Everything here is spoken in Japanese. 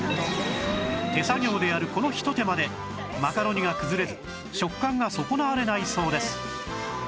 手作業でやるこのひと手間でマカロニが崩れず食感が損なわれないそうです